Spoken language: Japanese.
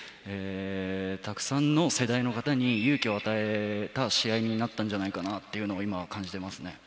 たくさんの世代の方に勇気を与えた試合になったんじゃないかなと今、感じていますね。